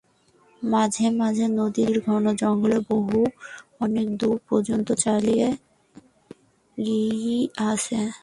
মাঝে মঝে নদীর দুই তীরে ঘন জঙ্গলের বাহু অনেক দূর পর্যন্ত চলিয়া গিয়াছে।